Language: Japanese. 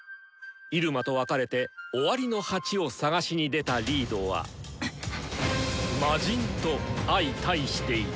入間と別れて「終わりの鉢」を探しに出たリードは魔神と相対していた！